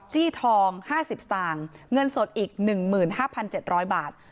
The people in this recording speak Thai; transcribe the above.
จี้ทองห้าสิบสตางค์เงินสดอีกหนึ่งหมื่นห้าพันเจ็ดร้อยบาท